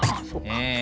ええ。